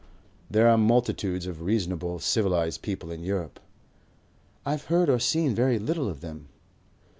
"There are multitudes of reasonable, civilized people in Europe." "I've heard or seen very little of them.